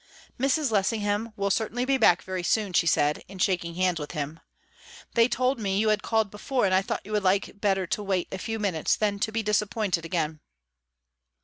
"Mrs. Lessingham will certainly be back very soon," she said, in shaking hands with him. "They told me you had called before, and I thought you would like better to wait a few minutes than to be disappointed again."